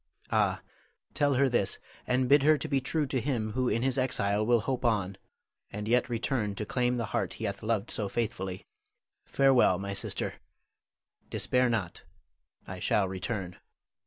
Ah, tell her this, and bid her to be true to him who in his exile will hope on, and yet return to claim the heart he hath loved so faithfully. Farewell, my sister. Despair not, I shall return.